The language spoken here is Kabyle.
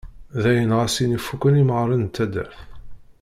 Dayen, ɣas ini fukken imɣaren n taddart.